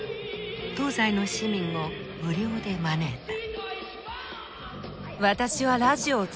東西の市民を無料で招いた。